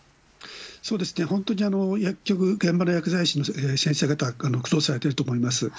そうですね、本当に薬局、現場の薬剤師の先生方、苦労されていると思います。